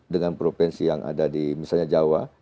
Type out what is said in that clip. dengan provinsi yang ada di misalnya jawa